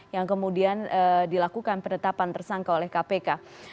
yang kemudian dilakukan penetapan tersangka oleh kpk